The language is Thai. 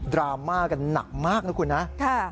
ดราม่ากันหนักมากนะคุณนะ